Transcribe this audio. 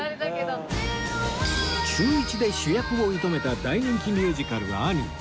中１で主役を射止めた大人気ミュージカル『アニー』